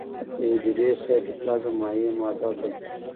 د حجرې سایتوپلازم مایع ماده ده